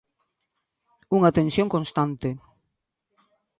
Unha tensión constante.